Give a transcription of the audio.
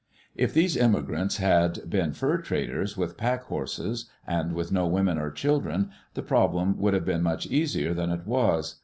If these immigrants had been fur traders with pack horses, and with no women or children, the problem would have been much easier than it was.